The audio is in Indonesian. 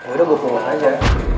udah gue bungal aja